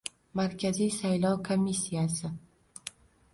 Markaziy saylov komissiyasi: